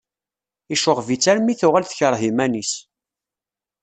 Yecɣeb-itt armi tuɣal tekreh iman-is.